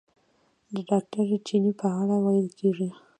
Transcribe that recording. د ډاکټر چیني په اړه ویل کېږي.